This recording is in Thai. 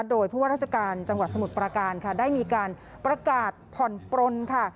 โดยผู้ว่าราชการจังหวัดสมุทรประการค่ะได้มีการประกาศผ่อนปลนค่ะ